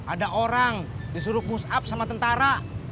ada orang disuruh push up sama tentara